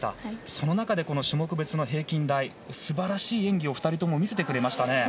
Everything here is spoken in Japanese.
その中で、種目別の平均台素晴らしい演技を２人とも見せてくれましたね。